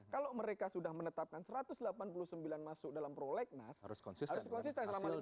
kalau mereka sudah menetapkan satu ratus delapan puluh sembilan masuk dalam prolegnas harus konsisten selama ini